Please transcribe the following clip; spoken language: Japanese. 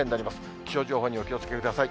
気象情報にお気をつけください。